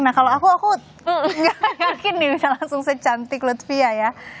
nah kalau aku aku gak yakin ini langsung secantik lutfia ya